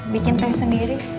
bikin teh sendiri